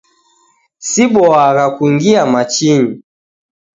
Siboagha kungia machinyi